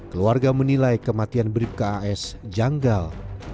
keluarga menilai kematian bribka as janggal